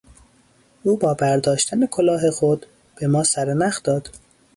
او با برداشتن کلاه خود به ما سر نخ داد.